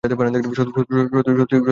সত্যি করে বল, তোর কী হয়েছে?